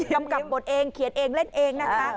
ำกับบทเองเขียนเองเล่นเองนะคะ